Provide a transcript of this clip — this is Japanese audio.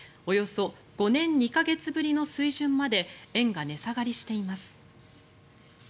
およそ５年２か月ぶりの水準まで円が値下がりしています。